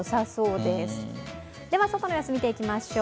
では外の様子、見ていきましょう。